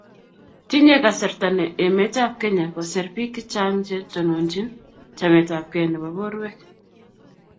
tinyei kasarta emetab Kenya koser biik che chang' che tononchino chametabgei nebo borwek